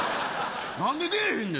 何で出えへんねん。